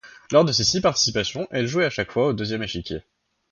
Lors de ses six participations, elle jouait à chaque fois au deuxième échiquier.